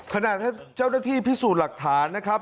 ขณะที่เจ้าหน้าที่พิสูจน์หลักฐานนะครับ